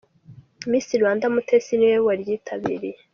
Miss Rwanda Mutesi niwe waryitabiriye.